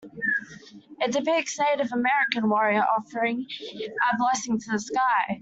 It depicts a Native American warrior offering a blessing to the sky.